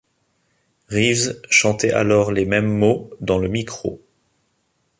Reeves chantait alors les mêmes mots dans le micro.